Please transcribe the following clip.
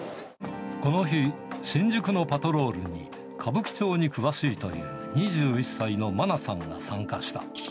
この日、新宿のパトロールに、歌舞伎町に詳しいという２１歳のマナさんが参加した。